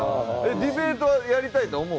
ディベートはやりたいと思う？